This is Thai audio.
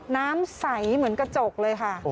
น้ำใสเหมือนกระจกเลยค่ะ